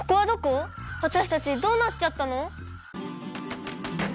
わたしたちどうなっちゃったの！？